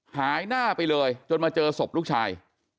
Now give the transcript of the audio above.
หายหน้าไปเลยจนมาเจอศพลูกชาย